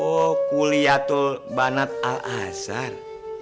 oh kuliatul banat al azhar